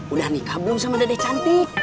udah nikah belum sama dede cantik